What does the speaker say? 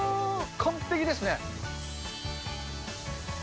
完璧ですね。